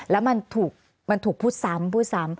แล้วมันถูกพูดซ้ำพูดซ้ำ